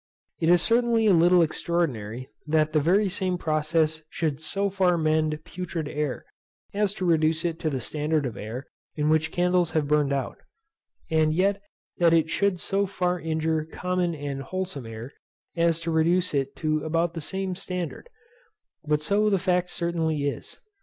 It is certainly a little extraordinary that the very same process should so far mend putrid air, as to reduce it to the standard of air in which candles have burned out; and yet that it should so far injure common and wholesome air as to reduce it to about the same standard: but so the fact certainly is.